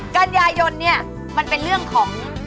กันยายนเนี่ยมันเป็นเรื่องของ